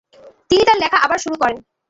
তিনি তার লেখা আবার শুরু করেন।